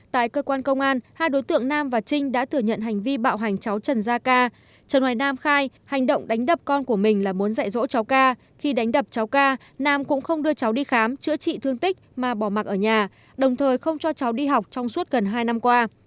tại cơ quan công an hai đối tượng nam và trinh đã thừa nhận hành vi bạo hành cháu trần gia ca trần hoài nam khai hành động đánh đập con của mình là muốn dạy dỗ cháu ca khi đánh đập cháu ca nam cũng không đưa cháu đi khám chữa trị thương tích mà bỏ mặt ở nhà đồng thời không cho cháu đi học trong suốt gần hai năm qua